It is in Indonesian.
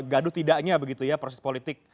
gaduh tidaknya begitu ya proses politik